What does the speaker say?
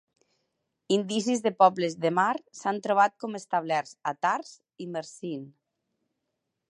Indicis de pobles de mar s'han trobat com establerts a Tars i Mersin.